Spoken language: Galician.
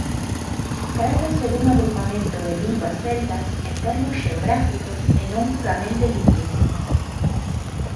Trátase dun agrupamento de linguas celtas en termos xeográficos e non puramente lingüísticos.